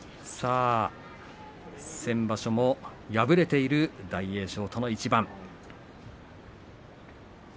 先場所も敗れている大栄翔との一番。